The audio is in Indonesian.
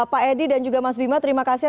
pak edi dan juga mas bima terima kasih